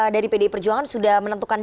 dari pdi perjuangan sudah menentukan